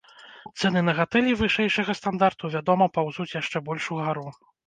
Цэны на гатэлі вышэйшага стандарту, вядома, паўзуць яшчэ больш угару.